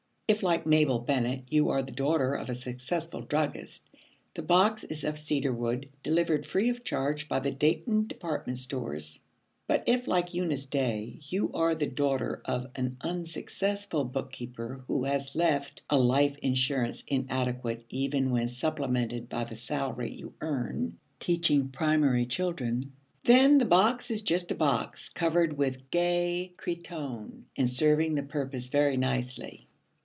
If, like Mabel Bennet, you are the daughter of a successful druggist, the box is of cedarwood, delivered free of charge by the Dayton department stores; but if, like Eunice Day, you are the daughter of an unsuccessful bookkeeper who has left a life insurance inadequate even when supplemented by the salary you earn teaching primary children, then the box is just a box, covered with gay cretonne, and serving the purpose very nicely.